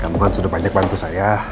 kamu kan sudah banyak bantu saya